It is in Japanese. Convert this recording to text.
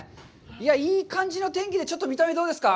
いや、いい感じの天気で、ちょっとどうですか？